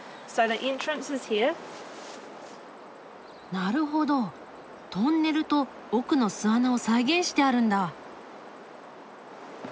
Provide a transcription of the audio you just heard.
なるほどトンネルと奥の巣穴を再現してあるんだ。